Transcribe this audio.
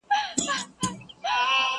چي اوبه تر ورخ اوښتي نه ستنېږي!!